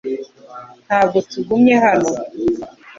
Ntabwo tugumye hano .